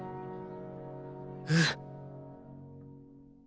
うん。